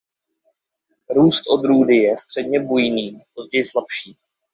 Růst odrůdy je středně bujný později slabší.